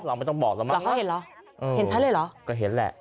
เราไม่ต้องบอกแล้วมั้ยเขาเห็นเหรอเห็นชัดเลยเหรอก็เห็นแหละ